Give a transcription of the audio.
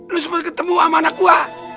lu sempet ketemu sama anak gua